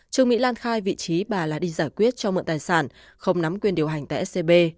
trương mỹ lan khai vị trí bà là đi giải quyết cho mượn tài sản không nắm quyền điều hành tại scb